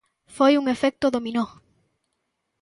Foi un efecto dominó.